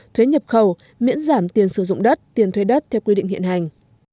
thuế nhập khẩu miễn giảm tiền sử dụng đất tiền thuê đất theo quy định hiện hành